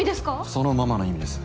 そのままの意味です。